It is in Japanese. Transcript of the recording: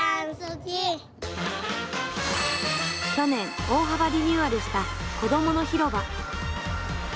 去年大幅リニューアルした子どもの広場。